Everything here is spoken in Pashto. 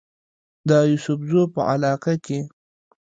د يوسفزو پۀ علاقه کې